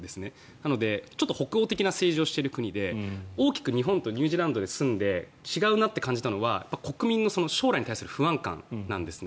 なので、ちょっと北欧的な政治をしている国で大きく日本とニュージーランドに住んで大きく違うと思ったのは国民の将来に対する不安感なんですね。